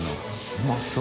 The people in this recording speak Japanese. うまそう。